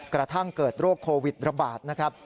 กระทั่งเกิดโรคโควิดระบาดนะครับ